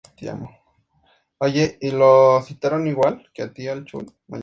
Dejando a los portugueses en una precaria situación.